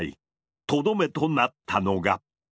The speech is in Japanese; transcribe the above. とどめとなったのが。